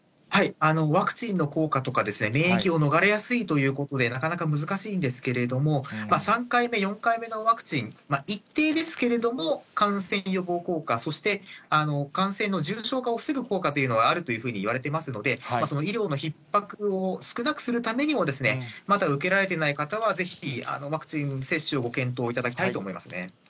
ワクチンの効果とか、免疫を逃れやすいということで、なかなか難しいんですけれども、３回目、４回目のワクチン、一定ですけれども、感染予防効果、そして感染の重症化を防ぐ効果というのはあるというふうにいわれてますので、その医療のひっ迫を少なくするためにも、まだ受けられていない方は、ぜひワクチン接種をご検討いただきたいと思いますね。